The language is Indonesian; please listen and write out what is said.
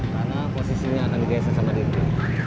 karena posisinya anda digeser sama dikti